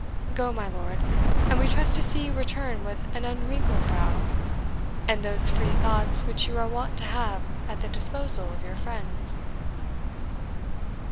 Go, my lord; and we trust to see you return with an unwrinkled brow, and those free thoughts which you are wont to have at the disposal of your friends."